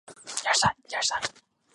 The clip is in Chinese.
剑桥大学考试委员会